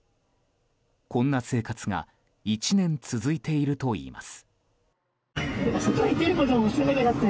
こんな生活が１年続いているといいます。